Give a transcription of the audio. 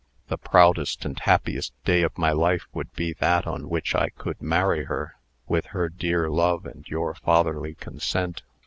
The proudest and happiest day of my life would be that on which I could marry her, with her dear love and your fatherly consent.